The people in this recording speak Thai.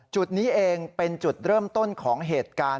จุดนี้เองเป็นจุดเริ่มต้นของเหตุการณ์